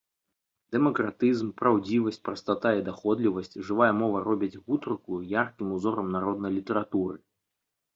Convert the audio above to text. Дэмакратызм, праўдзівасць, прастата і даходлівасць, жывая мова робяць гутарку яркім узорам народнай літаратуры.